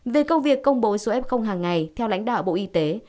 về công việc công bố số f hàng ngày theo lãnh đạo bộ y tế